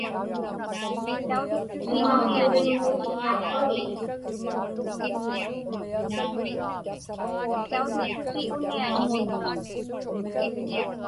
Miŋuaqtuġviŋmuutiniaqpagik?